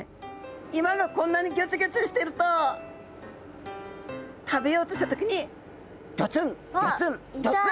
岩がこんなにギョツギョツしてると食べようとした時にゴツンゴツンゴツン！